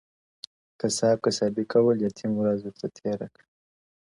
o قصاب قصابي کول، يتيم ورځ ورته تېره کړه.